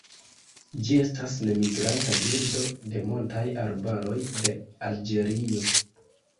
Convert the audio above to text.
Ĝi estas nemigranta birdo de montaj arbaroj de Alĝerio.